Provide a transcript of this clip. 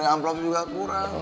amplop juga kurang